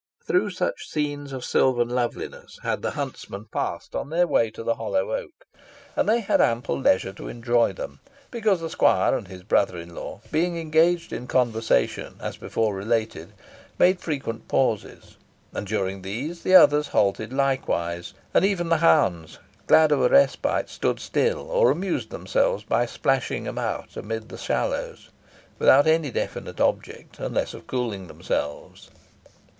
Through such scenes of silvan loveliness had the huntsmen passed on their way to the hollow oak, and they had ample leisure to enjoy them, because the squire and his brother in law being engaged in conversation, as before related, made frequent pauses, and, during these, the others halted likewise; and even the hounds, glad of a respite, stood still, or amused themselves by splashing about amid the shallows without any definite object unless of cooling themselves.